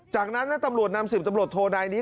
จากนั้นนะตำรวจนำ๑๐ตำรวจโทนายนี้